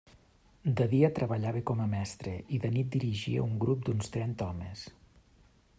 De dia treballava com a mestre, i de nit dirigia un grup d'uns trenta homes.